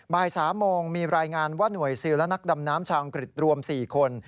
บ่าย๓โมงมีรายงานว่าหน่วยซิลและนักดำน้ำชาวอังกฤษรวม๔คน